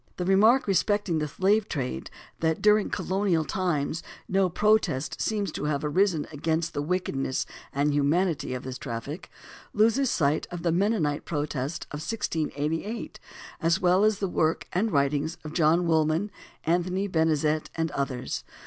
The remark respecting the slave trade, that "during colonial times no protest seems to have arisen against the wickedness and inhumanity of this traffic" (p. 131) loses sight of the Mennonite protest of 1688, as well as the work and writings of John Woolman, Anthony Benezet, and others.